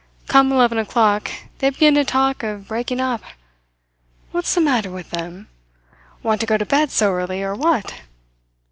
Come eleven o'clock, they begin to talk of breaking up. What's the matter with them? Want to go to bed so early, or what?"